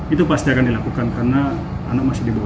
itu pasti akan dilakukan karena anak masih di bawah